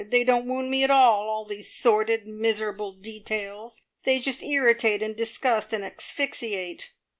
They don't wound me at all, all these sordid miserable details; they just irritate and disgust and asphyxiate.